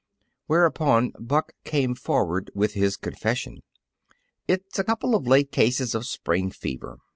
Whereupon Buck came forward with his confession. "It's a couple of late cases of spring fever.